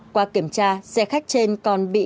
qua kiểm tra xe khách trên còn bị